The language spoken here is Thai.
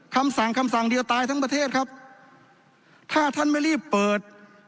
คำสั่งคำสั่งเดียวตายทั้งประเทศครับถ้าท่านไม่รีบเปิด